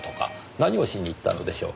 何をしに行ったのでしょう？